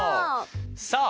さあ